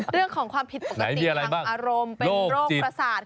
เรื่องของความผิดปกติทางอารมณ์เป็นโรคประสาท